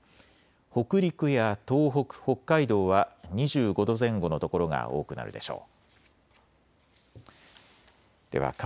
北陸や東北、北海道は２５度前後の所が多くなるでしょう。